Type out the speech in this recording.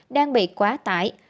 đang bị quá tải